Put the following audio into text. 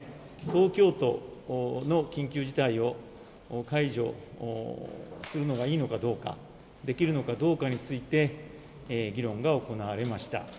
きょうの議論の後半は、ほとんどが東京都の緊急事態を解除するのがいいのかどうか、できるのかどうかについて、議論が行われました。